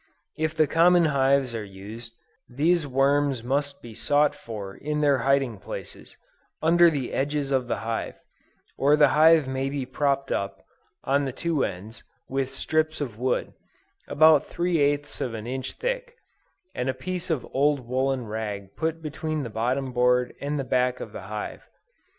If the common hives are used, these worms must be sought for in their hiding places, under the edges of the hive; or the hive may be propped up, on the two ends, with strips of wood, about three eighths of an inch thick; and a piece of old woolen rag put between the bottom board and the back of the hive.